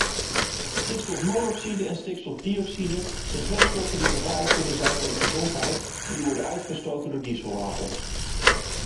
Stikstofmonoxide en stikstofdioxide zijn twee stoffen die gevaarlijk kunnen zijn voor de gezondheid en die worden uitgestoten door dieselwagens.